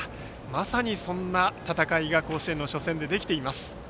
まさに、そんな戦いが甲子園の初戦でできています。